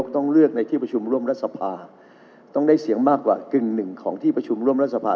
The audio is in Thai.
ต้องเลือกในที่ประชุมร่วมรัฐสภาต้องได้เสียงมากกว่ากึ่งหนึ่งของที่ประชุมร่วมรัฐสภา